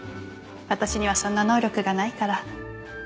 私にはそんな能力がないから。